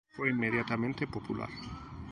Fue inmediatamente popular.